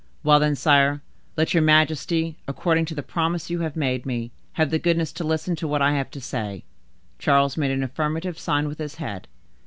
"Well, then, sire, let your majesty, according to the promise you have made me, have the goodness to listen to what I have to say." Charles made an affirmative sign with his head.